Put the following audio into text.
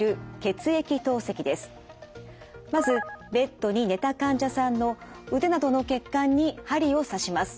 まずベッドに寝た患者さんの腕などの血管に針を刺します。